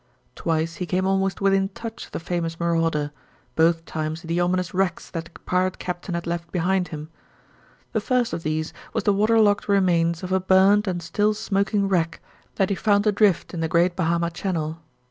Twice he came almost within touch of the famous marauder, both times in the ominous wrecks that the pirate captain had left behind him. The first of these was the water logged remains of a burned and still smoking wreck that he found adrift in the great Bahama channel.